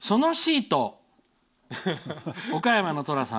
岡山のとらさん。